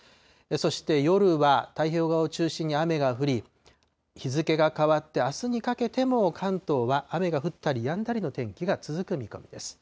そして夜は、太平洋側を中心に雨が降り、日付が変わってあすにかけても、関東は雨が降ったりやんだりの天気が続く見込みです。